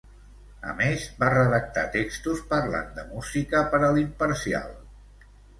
A més, va redactar textos parlant de música per a "L'Imparcial".